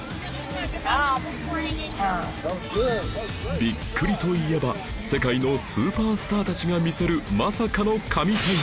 びっくりといえば世界のスーパースターたちが見せるまさかの神対応